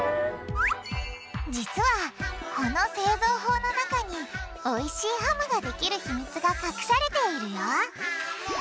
実はこの製造法の中においしいハムができるヒミツが隠されているよ。